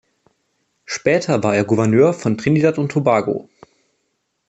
Später war er Gouverneur von Trinidad und Tobago.